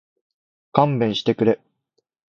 勘弁してくれ